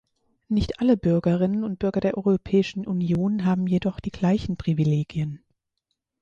Nicht alle Bürgerinnen und Bürger der Europäischen Union haben jedoch die gleichen Privilegien.